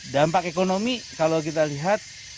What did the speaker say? dampak ekonomi kalau kita lihat